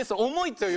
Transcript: という